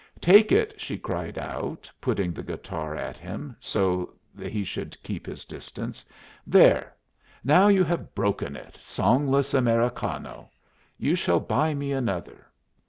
"Take it!" she cried out, putting the guitar at him so he should keep his distance. "There! now you have broken it, songless Americano! You shall buy me another."